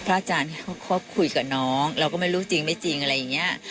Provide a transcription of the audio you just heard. อาจารย์เขาคบคุยกับน้องเราก็ไม่รู้จริงไม่จริงอะไรอย่างนี้